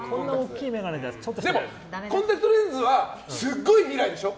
コンタクトレンズはすごい未来でしょ。